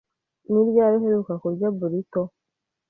Ni ryari uheruka kurya burrito?